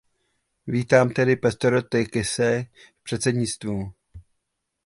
Vítám tedy pastora Tőkése v předsednictvu.